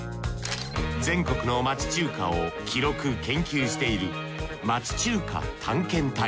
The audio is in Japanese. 全国の町中華を記録研究している町中華探検隊。